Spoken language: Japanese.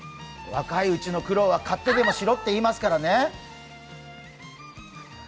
若いうちの苦労はかってでもしろっていいますからね。